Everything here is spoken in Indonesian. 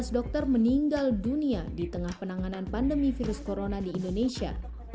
tujuh belas dokter meninggal dunia di tengah penanganan pandemi virus corona di indonesia